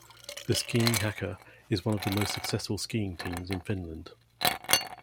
The "skiing Haka" is one of the most successful skiing teams in Finland.